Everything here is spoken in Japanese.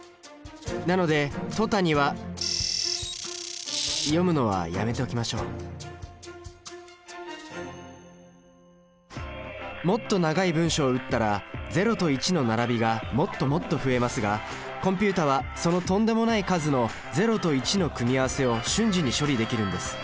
なので「とたに」は読むのはやめておきましょうもっと長い文章を打ったら０と１の並びがもっともっと増えますがコンピュータはそのとんでもない数の０と１の組み合わせを瞬時に処理できるんです。